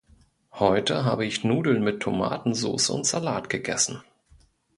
Heute habe ich Nudeln mit Tomatensoße und Salat gegessen.